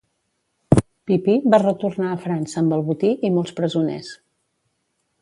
Pipí va retornar a França amb el botí i molts presoners.